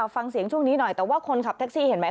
ฟังเสียงช่วงนี้หน่อยแต่ว่าคนขับแท็กซี่เห็นไหม